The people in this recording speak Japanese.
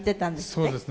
そうですね。